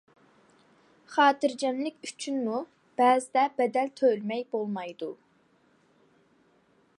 خاتىرجەملىك ئۈچۈنمۇ بەزىدە بەدەل تۆلىمەي بولمايدۇ.